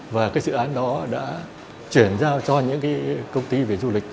và cái dự án đó đã chuyển giao cho những cái công ty về du lịch